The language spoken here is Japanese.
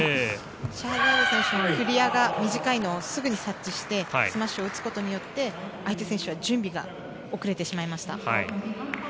シャハザード選手のクリアが短いのをすぐに察知してスマッシュを打つことによって相手選手は準備が遅れてしまいました。